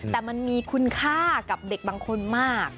แต่มันมีคุณค่ากับเด็กบางคนมาก